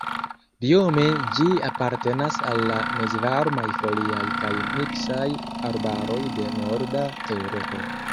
Biome ĝi apartenas al la mezvarmaj foliaj kaj miksaj arbaroj de Norda Eŭropo.